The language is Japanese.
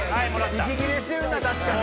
息切れしてるな確かに。